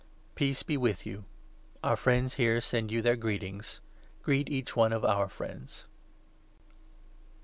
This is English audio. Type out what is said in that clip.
Peace be with you. Our friends here send you their greetings. Greet each one of our friends.